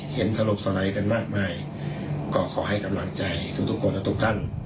สลบสไลด์กันมากมายก็ขอให้กำลังใจทุกคนและทุกท่าน